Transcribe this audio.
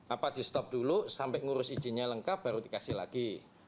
apa di stop dulu sampai ngurus izinnya lengkap baru dikasih lagi